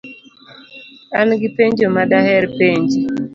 An gi penjo ma daher penji.